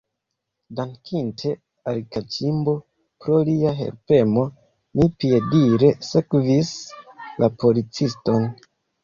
Dankinte al Kaĉimbo pro lia helpemo, ni piedire sekvis la policiston.